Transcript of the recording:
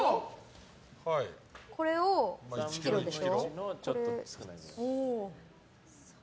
これが１ｋｇでしょ。